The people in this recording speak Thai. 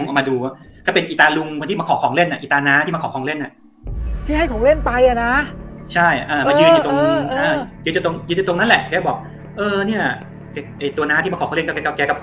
ก็เลยเดินมาดูครับอืมอย่าไปถือซื้ออย่าไปถือสา